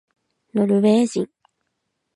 ノルウェー人